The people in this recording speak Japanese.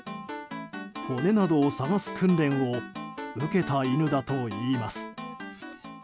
骨などを捜す訓練を受けた犬だといいます。